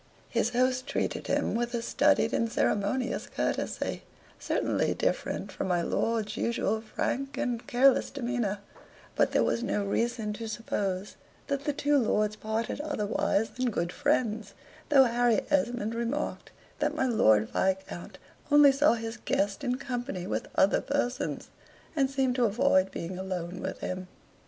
His host treated him with a studied and ceremonious courtesy, certainly different from my lord's usual frank and careless demeanor; but there was no reason to suppose that the two lords parted otherwise than good friends, though Harry Esmond remarked that my Lord Viscount only saw his guest in company with other persons, and seemed to avoid being alone with him.